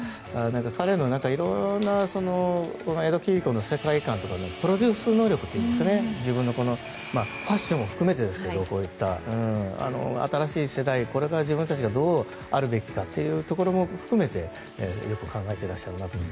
彼のいろいろな江戸切子の世界観とかプロデュース能力というかファッションも含めて新しい世代にこれから自分たちがどうあるべきかというのを含めてよく考えていらっしゃるなと。